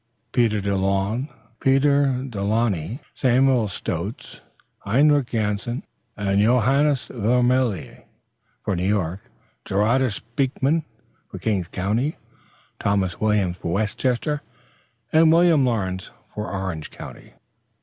"Peter De Lanoy, Samuel Stoats, Hendrick Jansen and Johannes Vermilie, for New York; Gerardus Beekman, for King's County; Thomas Williams for West Chester, and William Lawrence, for Orange County."